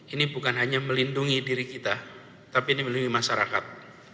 ini bukan hanya melindungi diri kita tapi ini melindungi masyarakat